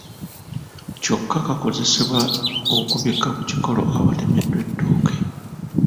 Kyokka kakozesebwa okubikka ku kikolo awatemeddwa ettooke.